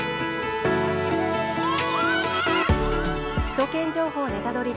「首都圏情報ネタドリ！」